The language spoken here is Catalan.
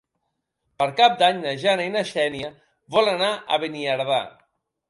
Per Cap d'Any na Jana i na Xènia volen anar a Beniardà.